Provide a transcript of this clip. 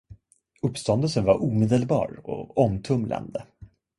Uppståndelsen var omedelbar och omtumlande.